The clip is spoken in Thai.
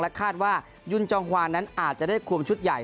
คาดว่ายุนจองควานนั้นอาจจะได้ควมชุดใหญ่